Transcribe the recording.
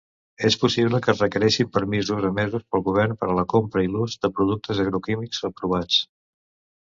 Es possible que es requereixin permisos emesos pel govern per a la compra i l'ús de productes agroquímics aprovats.